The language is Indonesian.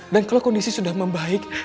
dan kalau kondisi sudah membaik